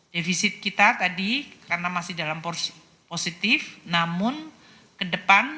defisit kita tadi karena masih dalam positif namun ke depan